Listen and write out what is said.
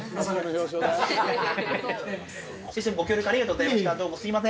先生もご協力ありがとうございました。